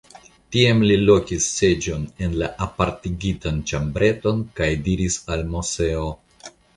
Tiam li lokis seĝon en la apartigitan ĉambreton kaj diris al Moseo.